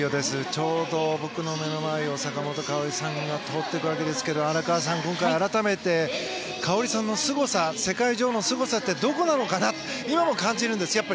ちょうど僕の目の前を坂本花織さんが通っていくわけですけれども荒川さん、今回、改めて花織さんのすごさ世界女王のすごさってどこなのかなと今も感じるんです。